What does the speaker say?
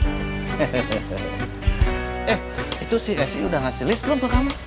eh itu si udah ngasih list belum ke kamu